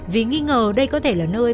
vì nghi ngờ đây có thể là nơi